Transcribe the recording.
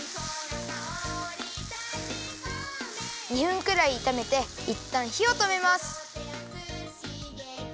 ２分くらいいためていったんひをとめます。